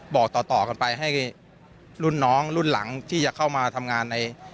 บอกต่อไปให้ลุ่นน้องลูกหลังที่อยากเข้ามาทำงานใน